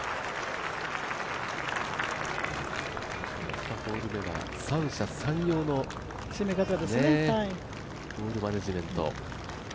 ２ホール目は三者三様のホールマネジメント。